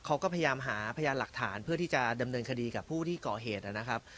เขาก็พยายามหาพยานหลักฐานเพื่อที่จะดำเนินคดีกับผู้ที่ก่อเหตุนะครับ